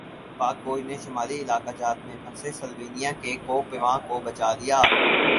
پاک فوج نے شمالی علاقہ جات میں پھنسے سلوینیا کے کوہ پیما کو بچالیا